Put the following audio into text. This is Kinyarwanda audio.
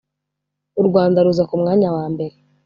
u Rwanda ruza ku mwanya wa mbere